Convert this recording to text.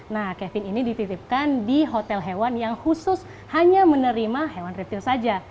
nah kevin ini dititipkan di hotel hewan yang khusus hanya menerima hewan reptil saja